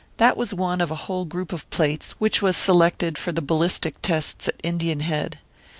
"That was one of a whole group of plates, which was selected for the ballistic tests at Indian Head.